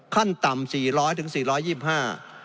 ขั้นต่ำ๔๐๐๔๒๕บาท